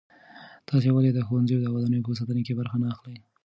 تاسې ولې د ښوونځیو د ودانیو په ساتنه کې برخه نه اخلئ؟